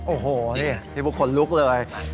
โอ้โฮ้มีคนลุกเลย